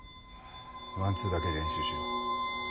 ワンツーだけ練習しろ。